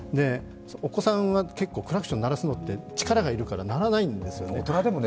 お子さんはクラクション鳴らすのって力が要るから鳴らないんですよね。